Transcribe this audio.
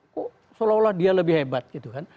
kok seolah olah dia lebih hebat gitu kan